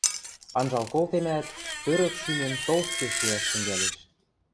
Анжал колтемӓт, тӧрӧк шӱмем толтке шиӓш тӹнгӓлеш.